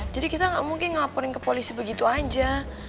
jadi kita gak mungkin ngelaporin ke polisi begitu aja